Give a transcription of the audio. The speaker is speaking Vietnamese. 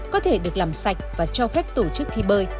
có thể được làm sạch và cho phép tổ chức thi bơi